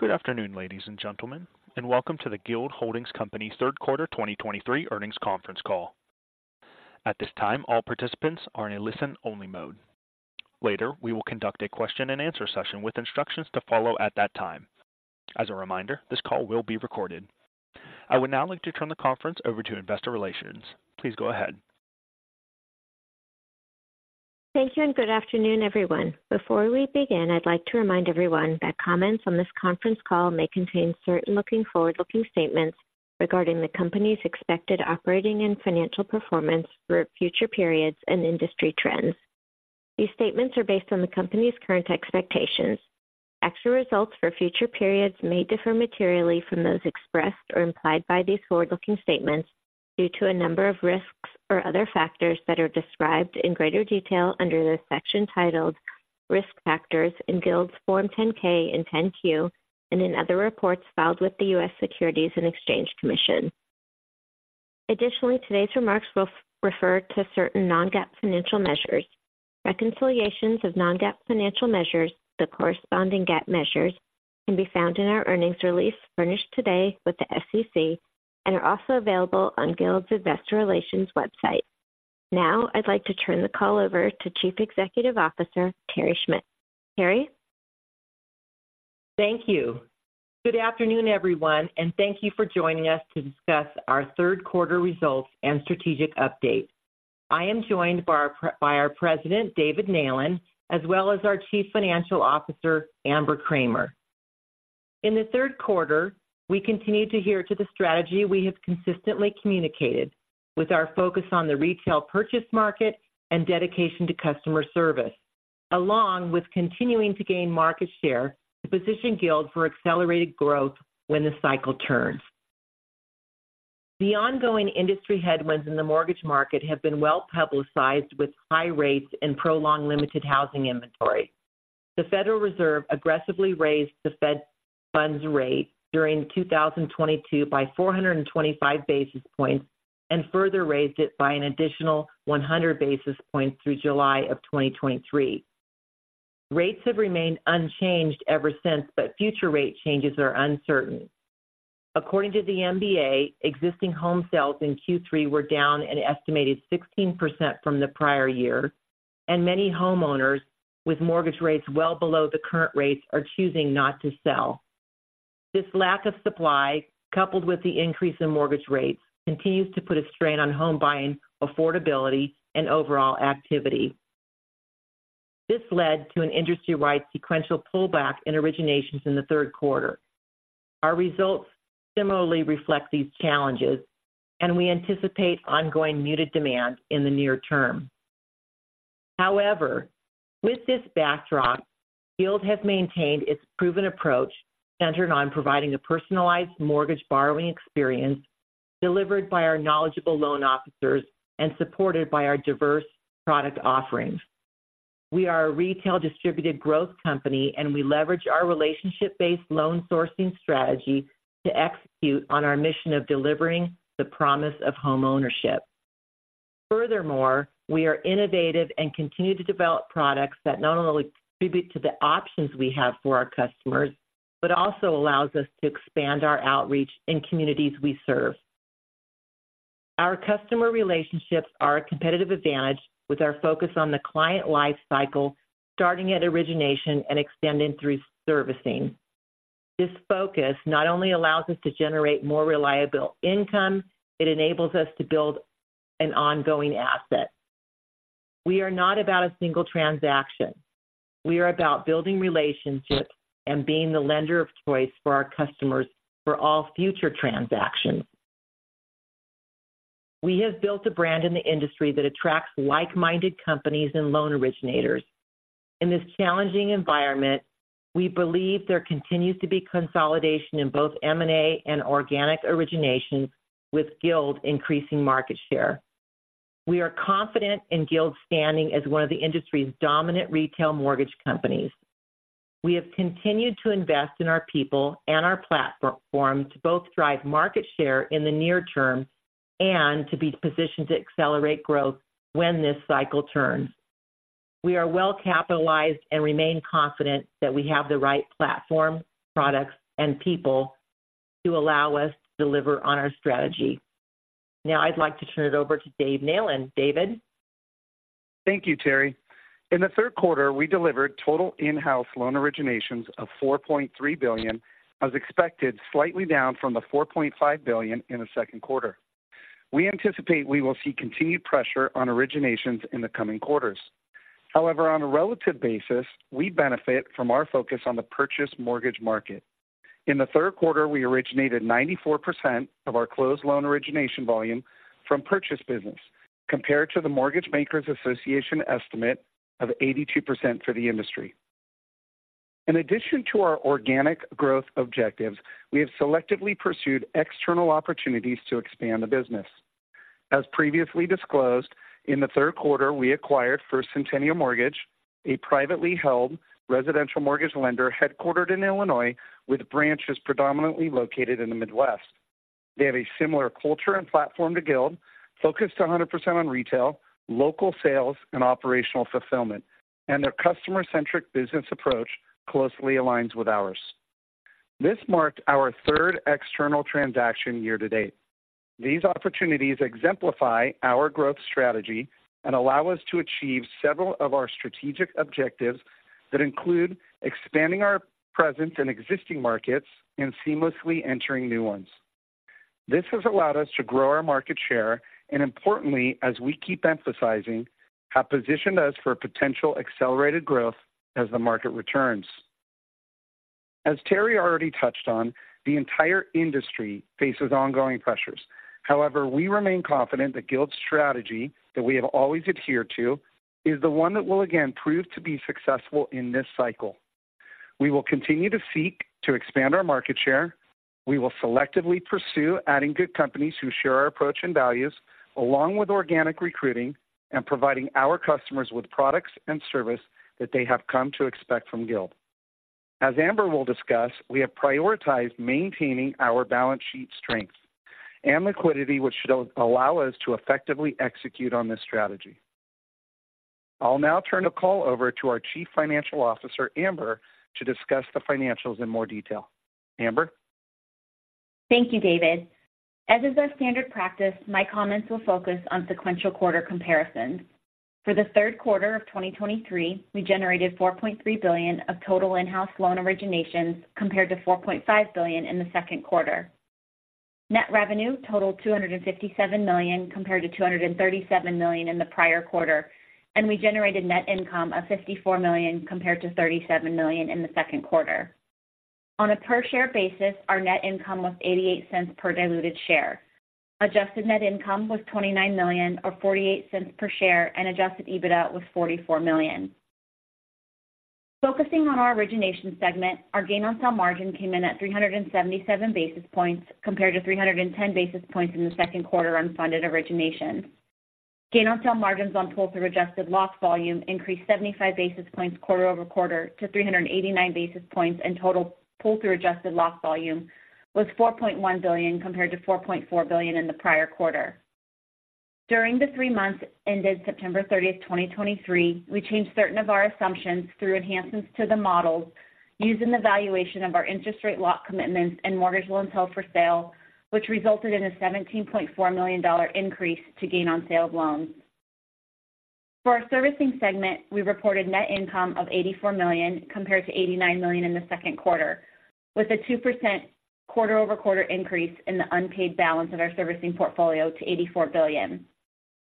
Good afternoon, ladies and gentlemen, and welcome to the Guild Holdings Company Q3 2023 Earnings Conference Call. At this time, all participants are in a listen-only mode. Later, we will conduct a question-and-answer session with instructions to follow at that time. As a reminder, this call will be recorded. I would now like to turn the conference over to Investor Relations. Please go ahead. Thank you, and good afternoon, everyone. Before we begin, I'd like to remind everyone that comments on this conference call may contain certain forward-looking statements regarding the company's expected operating and financial performance for future periods and industry trends. These statements are based on the company's current expectations. Actual results for future periods may differ materially from those expressed or implied by these forward-looking statements due to a number of risks or other factors that are described in greater detail under the section titled Risk Factors in Guild's Form 10-K and 10-Q and in other reports filed with the U.S. Securities and Exchange Commission. Additionally, today's remarks will refer to certain non-GAAP financial measures. Reconciliations of non-GAAP financial measures, the corresponding GAAP measures, can be found in our earnings release furnished today with the SEC and are also available on Guild's Investor Relations website. Now, I'd like to turn the call over to Chief Executive Officer, Terry Schmidt. Terry? Thank you. Good afternoon, everyone, and thank you for joining us to discuss our third quarter results and strategic updates. I am joined by our President, David Neylan, as well as our Chief Financial Officer, Amber Kramer. In the third quarter, we continued to adhere to the strategy we have consistently communicated, with our focus on the retail purchase market and dedication to customer service, along with continuing to gain market share to position Guild for accelerated growth when the cycle turns. The ongoing industry headwinds in the mortgage market have been well-publicized, with high rates and prolonged limited housing inventory. The Federal Reserve aggressively raised the Fed funds rate during 2022 by 425 basis points and further raised it by an additional 100 basis points through July of 2023. Rates have remained unchanged ever since, but future rate changes are uncertain. According to the MBA, existing home sales in Q3 were down an estimated 16% from the prior year, and many homeowners with mortgage rates well below the current rates are choosing not to sell. This lack of supply, coupled with the increase in mortgage rates, continues to put a strain on home buying affordability and overall activity. This led to an industry-wide sequential pullback in originations in the third quarter. Our results similarly reflect these challenges, and we anticipate ongoing muted demand in the near term. However, with this backdrop, Guild has maintained its proven approach, centered on providing a personalized mortgage borrowing experience delivered by our knowledgeable loan officers and supported by our diverse product offerings. We are a retail distributed growth company, and we leverage our relationship-based loan sourcing strategy to execute on our mission of delivering the promise of homeownership. Furthermore, we are innovative and continue to develop products that not only contribute to the options we have for our customers, but also allows us to expand our outreach in communities we serve. Our customer relationships are a competitive advantage, with our focus on the client life cycle, starting at origination and extending through servicing. This focus not only allows us to generate more reliable income, it enables us to build an ongoing asset. We are not about a single transaction. We are about building relationships and being the lender of choice for our customers for all future transactions. We have built a brand in the industry that attracts like-minded companies and loan originators. In this challenging environment, we believe there continues to be consolidation in both M&A and organic origination, with Guild increasing market share. We are confident in Guild's standing as one of the industry's dominant retail mortgage companies. We have continued to invest in our people and our platform to both drive market share in the near term and to be positioned to accelerate growth when this cycle turns. We are well capitalized and remain confident that we have the right platform, products, and people to allow us to deliver on our strategy. Now I'd like to turn it over to Dave Neylan. David? Thank you, Terry. In the third quarter, we delivered total in-house loan originations of $4.3 billion, as expected, slightly down from the $4.5 billion in the second quarter. We anticipate we will see continued pressure on originations in the coming quarters. However, on a relative basis, we benefit from our focus on the purchase mortgage market. In the third quarter, we originated 94% of our closed loan origination volume from purchase business, compared to the Mortgage Bankers Association estimate of 82% for the industry. In addition to our organic growth objectives, we have selectively pursued external opportunities to expand the business. As previously disclosed, in the third quarter, we acquired First Centennial Mortgage, a privately held residential mortgage lender headquartered in Illinois, with branches predominantly located in the Midwest.... They have a similar culture and platform to Guild, focused 100% on retail, local sales, and operational fulfillment, and their customer-centric business approach closely aligns with ours. This marked our third external transaction year to date. These opportunities exemplify our growth strategy and allow us to achieve several of our strategic objectives that include expanding our presence in existing markets and seamlessly entering new ones. This has allowed us to grow our market share, and importantly, as we keep emphasizing, have positioned us for potential accelerated growth as the market returns. As Terry already touched on, the entire industry faces ongoing pressures. However, we remain confident that Guild's strategy, that we have always adhered to, is the one that will again prove to be successful in this cycle. We will continue to seek to expand our market share. We will selectively pursue adding good companies who share our approach and values, along with organic recruiting and providing our customers with products and service that they have come to expect from Guild. As Amber will discuss, we have prioritized maintaining our balance sheet strength and liquidity, which should allow us to effectively execute on this strategy. I'll now turn the call over to our Chief Financial Officer, Amber, to discuss the financials in more detail. Amber? Thank you, David. As is our standard practice, my comments will focus on sequential quarter comparisons. For the third quarter of 2023, we generated $4.3 billion of total in-house loan originations compared to $4.5 billion in the second quarter. Net revenue totaled $257 million, compared to $237 million in the prior quarter, and we generated net income of $54 million, compared to $37 million in the second quarter. On a per share basis, our net income was $0.88 per diluted share. Adjusted net income was $29 million, or $0.48 per share, and adjusted EBITDA was $44 million. Focusing on our origination segment, our gain on sale margin came in at 377 basis points, compared to 310 basis points in the second quarter on funded originations. Gain on sale margins on pull-through adjusted lock volume increased 75 basis points quarter-over-quarter to 389 basis points, and total pull-through adjusted lock volume was $4.1 billion, compared to $4.4 billion in the prior quarter. During the three months ended September 30, 2023, we changed certain of our assumptions through enhancements to the models used in the valuation of our interest rate lock commitments and mortgage loans held for sale, which resulted in a $17.4 million increase to gain on sale of loans. For our servicing segment, we reported net income of $84 million compared to $89 million in the second quarter, with a 2% quarter-over-quarter increase in the unpaid balance of our servicing portfolio to $84 billion.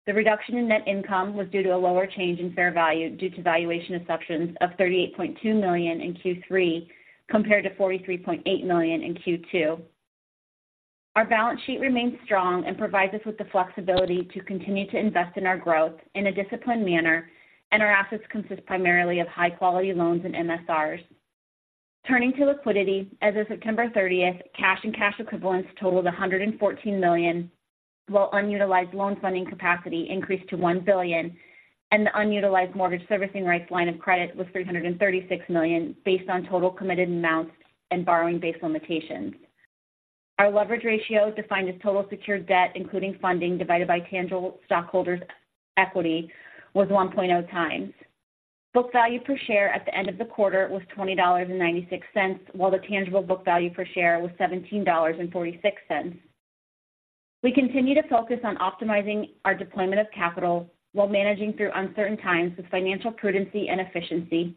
The reduction in net income was due to a lower change in fair value due to valuation assumptions of $38.2 million in Q3, compared to $43.8 million in Q2. Our balance sheet remains strong and provides us with the flexibility to continue to invest in our growth in a disciplined manner, and our assets consist primarily of high-quality loans and MSRs. Turning to liquidity, as of September 30, cash and cash equivalents totaled $114 million, while unutilized loan funding capacity increased to $1 billion, and the unutilized mortgage servicing rights line of credit was $336 million, based on total committed amounts and borrowing base limitations. Our leverage ratio, defined as total secured debt, including funding divided by tangible stockholders' equity, was 1.0x. Book value per share at the end of the quarter was $20.96, while the tangible book value per share was $17.46. We continue to focus on optimizing our deployment of capital while managing through uncertain times with financial prudence and efficiency.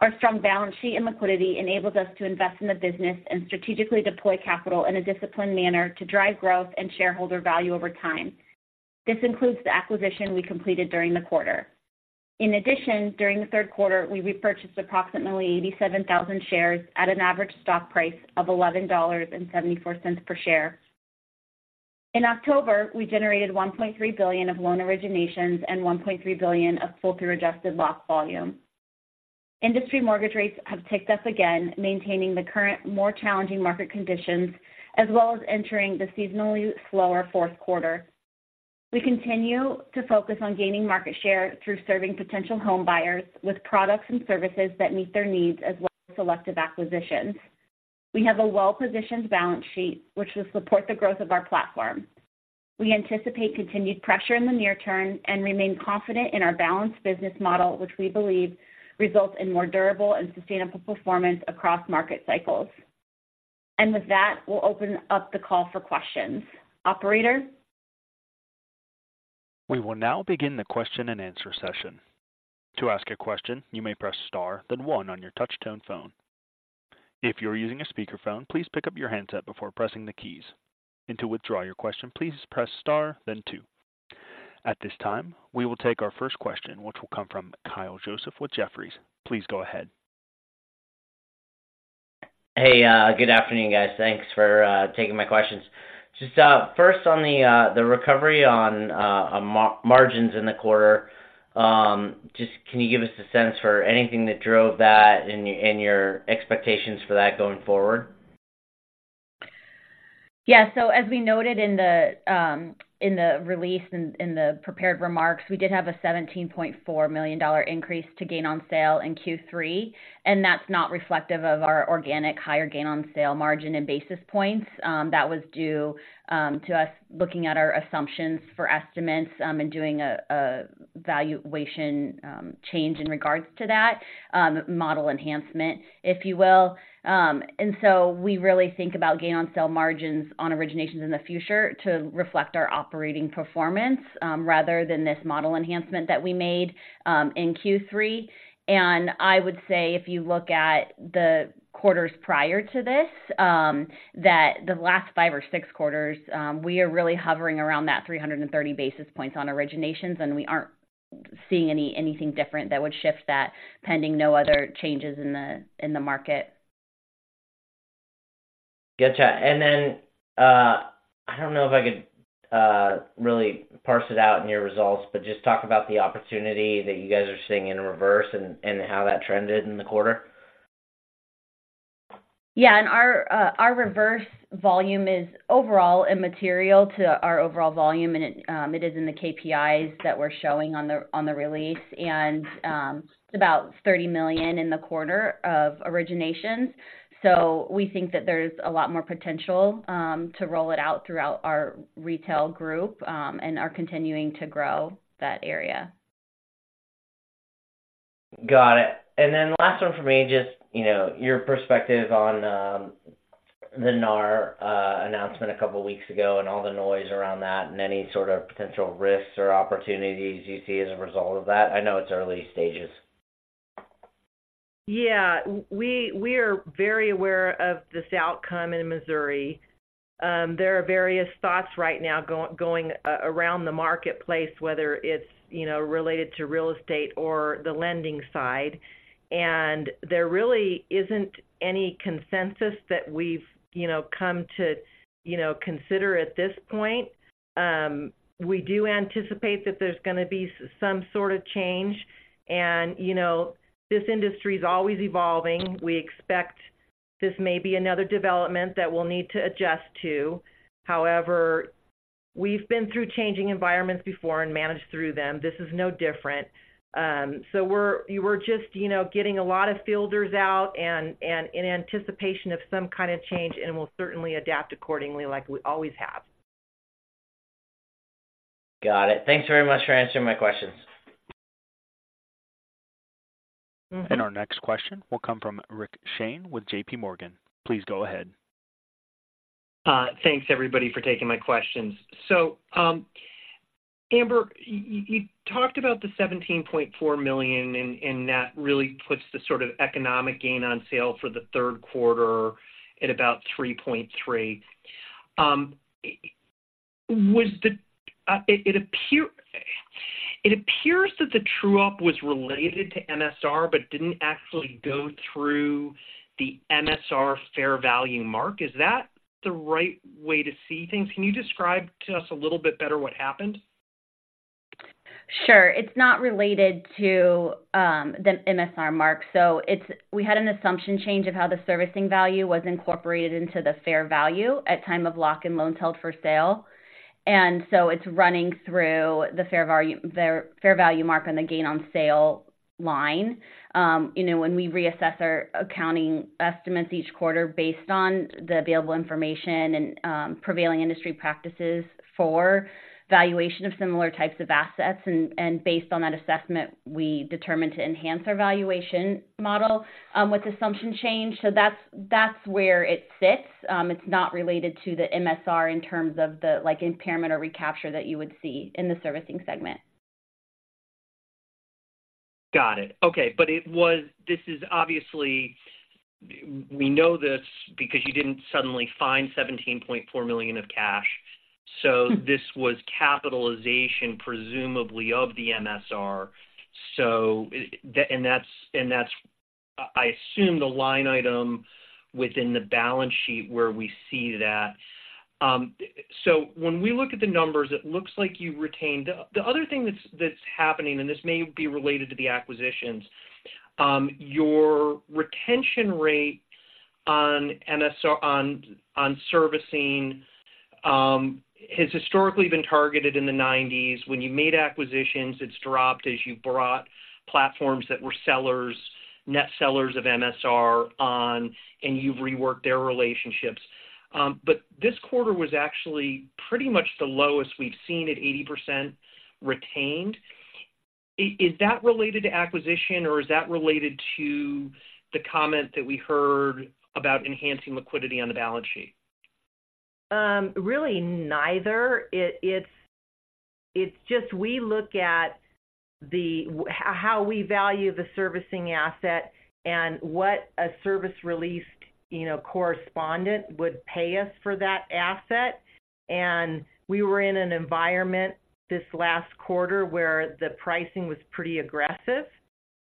Our strong balance sheet and liquidity enables us to invest in the business and strategically deploy capital in a disciplined manner to drive growth and shareholder value over time. This includes the acquisition we completed during the quarter. In addition, during the third quarter, we repurchased approximately 87,000 shares at an average stock price of $11.74 per share. In October, we generated $1.3 billion of loan originations and $1.3 billion of pull-through adjusted lock volume. Industry mortgage rates have ticked up again, maintaining the current, more challenging market conditions, as well as entering the seasonally slower fourth quarter. We continue to focus on gaining market share through serving potential homebuyers with products and services that meet their needs, as well as selective acquisitions. We have a well-positioned balance sheet, which will support the growth of our platform. We anticipate continued pressure in the near term and remain confident in our balanced business model, which we believe results in more durable and sustainable performance across market cycles. With that, we'll open up the call for questions. Operator? We will now begin the question-and-answer session. To ask a question, you may press star, then one on your touchtone phone. If you're using a speakerphone, please pick up your handset before pressing the keys, and to withdraw your question, please press star then two. At this time, we will take our first question, which will come from Kyle Joseph with Jefferies. Please go ahead. Hey, good afternoon, guys. Thanks for taking my questions. Just first on the recovery on margins in the quarter, just can you give us a sense for anything that drove that and your expectations for that going forward?... Yeah. So as we noted in the release and in the prepared remarks, we did have a $17.4 million increase to gain on sale in Q3, and that's not reflective of our organic higher gain on sale margin and basis points. That was due to us looking at our assumptions for estimates and doing a valuation change in regards to that model enhancement, if you will. And so we really think about gain on sale margins on originations in the future to reflect our operating performance rather than this model enhancement that we made in Q3. I would say if you look at the quarters prior to this, that the last five or six quarters, we are really hovering around that 330 basis points on originations, and we aren't seeing anything different that would shift that, pending no other changes in the market. Gotcha. And then, I don't know if I could really parse it out in your results, but just talk about the opportunity that you guys are seeing in reverse and how that trended in the quarter. Yeah. And our reverse volume is overall immaterial to our overall volume, and it is in the KPIs that we're showing on the release. And it's about $30 million in the quarter of originations. So we think that there's a lot more potential to roll it out throughout our retail group, and are continuing to grow that area. Got it. And then last one for me, just, you know, your perspective on, the NAR announcement a couple of weeks ago and all the noise around that, and any sort of potential risks or opportunities you see as a result of that. I know it's early stages. Yeah. We, we are very aware of this outcome in Missouri. There are various thoughts right now going around the marketplace, whether it's, you know, related to real estate or the lending side. And there really isn't any consensus that we've, you know, come to, you know, consider at this point. We do anticipate that there's gonna be some sort of change, and, you know, this industry is always evolving. We expect this may be another development that we'll need to adjust to. However, we've been through changing environments before and managed through them. This is no different. So we were just, you know, getting a lot of feelers out and in anticipation of some kind of change, and we'll certainly adapt accordingly, like we always have. Got it. Thanks very much for answering my questions. Mm-hmm. Our next question will come from Rick Shane with J.P. Morgan. Please go ahead. Thanks, everybody, for taking my questions. So, Amber, you talked about the $17.4 million, and that really puts the sort of economic gain on sale for the third quarter at about 3.3. It appears that the true-up was related to MSR, but didn't actually go through the MSR fair value mark. Is that the right way to see things? Can you describe to us a little bit better what happened? Sure. It's not related to the MSR mark. So it's we had an assumption change of how the servicing value was incorporated into the fair value at time of lock and loans held for sale. And so it's running through the fair value mark on the gain on sale line. You know, when we reassess our accounting estimates each quarter based on the available information and prevailing industry practices for valuation of similar types of assets, and based on that assessment, we determine to enhance our valuation model with assumption change. So that's where it sits. It's not related to the MSR in terms of the, like, impairment or recapture that you would see in the servicing segment. Got it. Okay. But this is obviously... We know this because you didn't suddenly find $17.4 million of cash. So this was capitalization, presumably, of the MSR. So, and that's, I assume, the line item within the balance sheet where we see that. So when we look at the numbers, it looks like you retained... The other thing that's happening, and this may be related to the acquisitions, your retention rate on MSR, on servicing, has historically been targeted in the 90s. When you made acquisitions, it's dropped as you brought platforms that were sellers, net sellers of MSR on, and you've reworked their relationships. But this quarter was actually pretty much the lowest we've seen at 80% retained. Is that related to acquisition, or is that related to the comment that we heard about enhancing liquidity on the balance sheet? Really neither. It's just we look at how we value the servicing asset and what a service-released, you know, correspondent would pay us for that asset. And we were in an environment this last quarter where the pricing was pretty aggressive,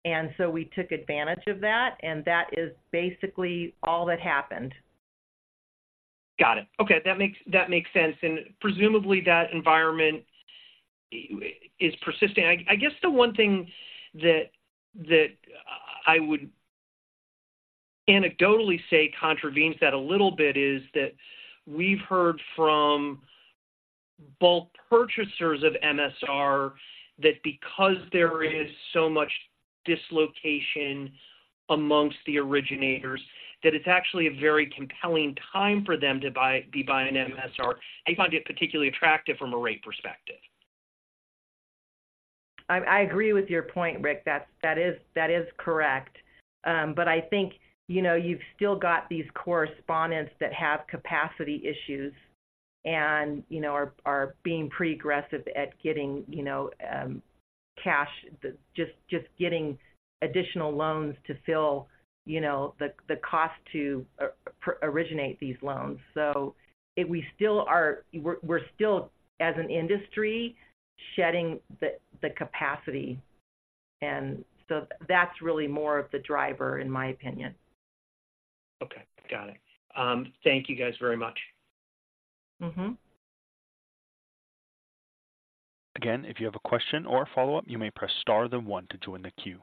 and so we took advantage of that, and that is basically all that happened. Got it. Okay, that makes, that makes sense. And presumably, that environment is persisting. I guess the one thing that I would anecdotally say contravenes that a little bit is that we've heard from bulk purchasers of MSR, that because there is so much dislocation amongst the originators, that it's actually a very compelling time for them to buy, be buying MSR, they find it particularly attractive from a rate perspective. I agree with your point, Rick. That is correct. But I think, you know, you've still got these correspondents that have capacity issues and, you know, are being pretty aggressive at getting, you know, cash. Just getting additional loans to fill, you know, the cost to originate these loans. So if we still are, we're still, as an industry, shedding the capacity, and so that's really more of the driver, in my opinion. Okay, got it. Thank you guys very much. Mm-hmm. Again, if you have a question or a follow-up, you may press Star then one to join the queue.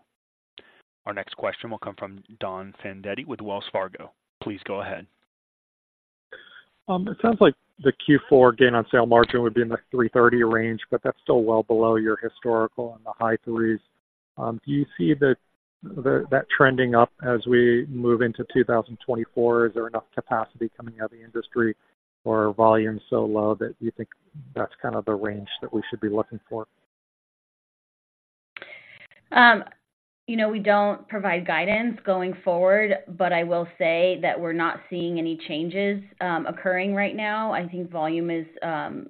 Our next question will come from Don Fandetti with Wells Fargo. Please go ahead. It sounds like the Q4 gain on sale margin would be in the 330 range, but that's still well below your historical in the high 3s. Do you see that trending up as we move into 2024? Is there enough capacity coming out of the industry or volume so low that you think that's kind of the range that we should be looking for? You know, we don't provide guidance going forward, but I will say that we're not seeing any changes occurring right now. I think volume is,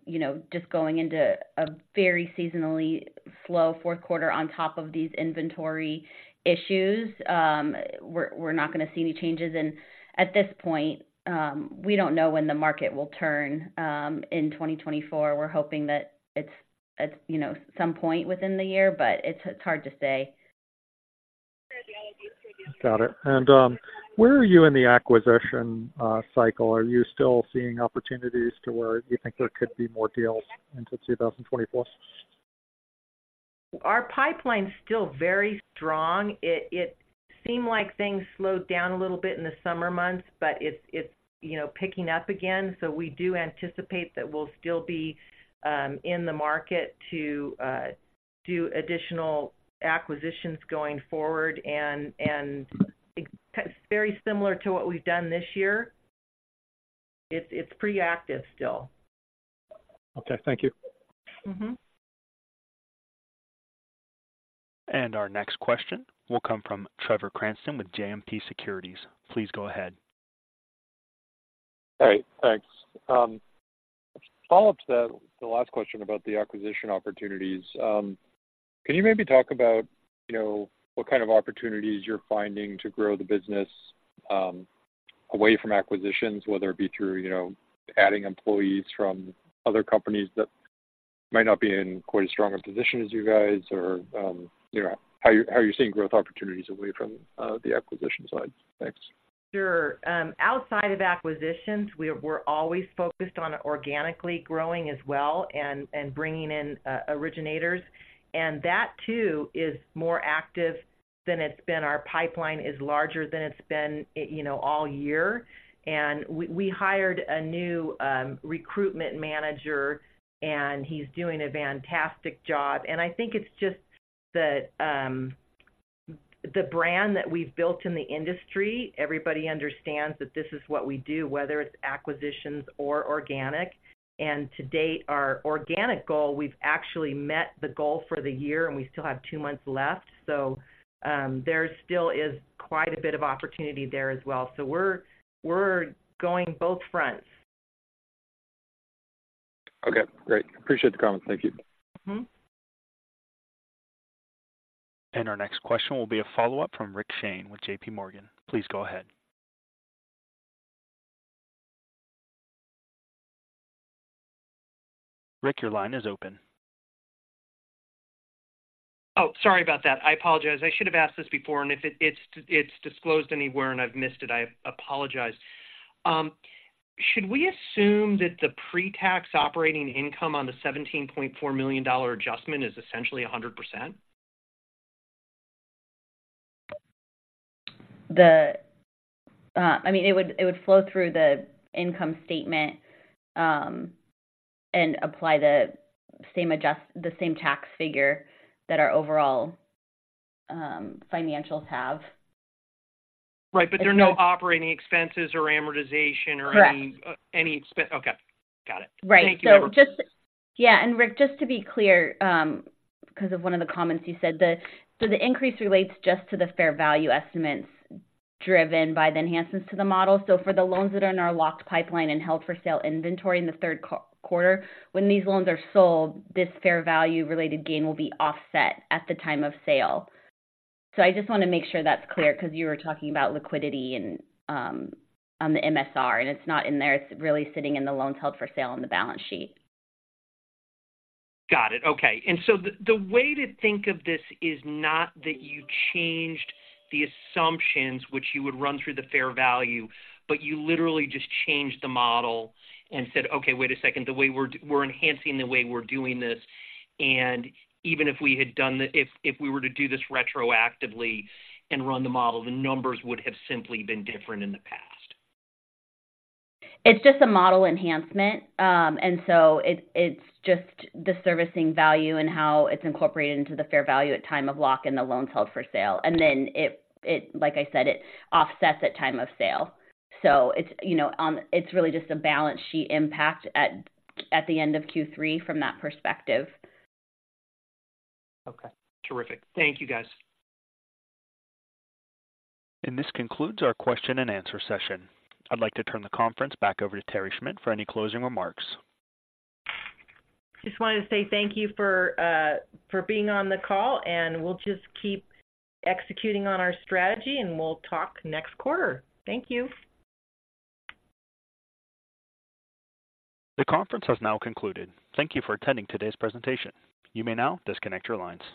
you know, just going into a very seasonally slow fourth quarter on top of these inventory issues. We're not going to see any changes, and at this point, we don't know when the market will turn in 2024. We're hoping that it's at, you know, some point within the year, but it's hard to say. Got it. And, where are you in the acquisition cycle? Are you still seeing opportunities to where you think there could be more deals into 2024? Our pipeline's still very strong. It seemed like things slowed down a little bit in the summer months, but it's, you know, picking up again. So we do anticipate that we'll still be in the market to do additional acquisitions going forward. And it's very similar to what we've done this year. It's pretty active still. Okay. Thank you. Mm-hmm. Our next question will come from Trevor Cranston with JMP Securities. Please go ahead. All right, thanks. Follow-up to the last question about the acquisition opportunities. Can you maybe talk about, you know, what kind of opportunities you're finding to grow the business, away from acquisitions, whether it be through, you know, adding employees from other companies that might not be in quite as strong a position as you guys, or, you know, how are you, how are you seeing growth opportunities away from, the acquisition side? Thanks. Sure. Outside of acquisitions, we're always focused on organically growing as well and bringing in originators, and that too is more active than it's been. Our pipeline is larger than it's been, you know, all year. And we hired a new recruitment manager, and he's doing a fantastic job. And I think it's just that the brand that we've built in the industry, everybody understands that this is what we do, whether it's acquisitions or organic. And to date, our organic goal, we've actually met the goal for the year, and we still have two months left. So there still is quite a bit of opportunity there as well. So we're going both fronts. Okay, great. Appreciate the comment. Thank you. Mm-hmm. Our next question will be a follow-up from Rick Shane with J.P. Morgan. Please go ahead. Rick, your line is open. Oh, sorry about that. I apologize. I should have asked this before, and if it's disclosed anywhere and I've missed it, I apologize. Should we assume that the pre-tax operating income on the $17.4 million adjustment is essentially 100%? I mean, it would, it would flow through the income statement, and apply the same adjust- the same tax figure that our overall, financials have. Right. But there are no operating expenses or amortization or any- Correct. Okay, got it. Right. Thank you. Yeah, and Rick, just to be clear, because of one of the comments you said, so the increase relates just to the fair value estimates driven by the enhancements to the model. So for the loans that are in our locked pipeline and held-for-sale inventory in the third quarter, when these loans are sold, this fair value-related gain will be offset at the time of sale. So I just want to make sure that's clear, because you were talking about liquidity and on the MSR, and it's not in there. It's really sitting in the loans held for sale on the balance sheet. Got it. Okay. And so the way to think of this is not that you changed the assumptions which you would run through the fair value, but you literally just changed the model and said: "Okay, wait a second, the way we're enhancing the way we're doing this, and even if we had done the—if we were to do this retroactively and run the model, the numbers would have simply been different in the past. It's just a model enhancement. And so it's just the servicing value and how it's incorporated into the fair value at time of lock and the loans held for sale. And then, like I said, it offsets at time of sale. So it's, you know, it's really just a balance sheet impact at the end of Q3 from that perspective. Okay. Terrific. Thank you, guys. This concludes our question and answer session. I'd like to turn the conference back over to Terry Schmidt for any closing remarks. Just wanted to say thank you for being on the call, and we'll just keep executing on our strategy, and we'll talk next quarter. Thank you. The conference has now concluded. Thank you for attending today's presentation. You may now disconnect your lines.